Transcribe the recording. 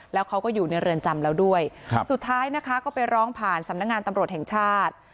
แล้วเขาก็อยู่ในเรือนจำแล้วด้วยสุดท้ายนะคะก็ไปร้องผ่านสำนักงานตำรวจแห่งชาติ